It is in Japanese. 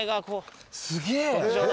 すげえ。